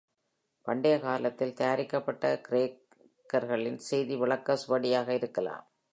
பண்டையகாலத்தில் தயாரிக்கப்பட்ட கிரேகேர்களின் செய்தி விளக்க சுவடியாக இருக்கலாம்.